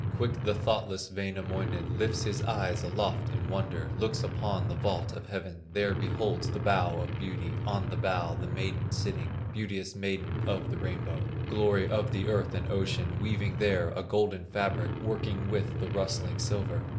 Quick the thoughtless Wainamoinen Lifts his eyes aloft in wonder, Looks upon the vault of heaven, There beholds the bow of beauty, On the bow the maiden sitting, Beauteous Maiden of the Rainbow, Glory of the earth and ocean, Weaving there a golden fabric, Working with the rustling silver.